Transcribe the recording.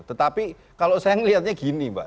tetapi kalau saya melihatnya gini mbak